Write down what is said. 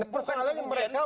pertama lagi mereka mau